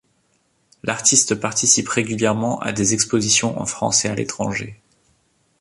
L'artiste participe régulièrement à des expositions en France et à l'étranger.